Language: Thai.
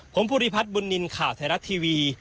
ผมภูริพัฒน์บุญนินทร์ข่าวไทยรัฐทีวี